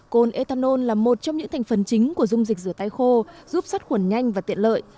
côn ethanol là một trong những thành phần chính của dung dịch rửa tay khô giúp sát khuẩn nhanh và tiện lợi